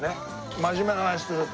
真面目な話すると。